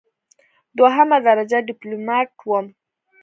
دوهمه درجه ډیپلوماټ وم.